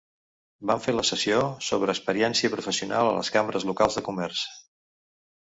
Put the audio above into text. Vam fer la sessió sobre experiència professional a les cambres locals de comerç.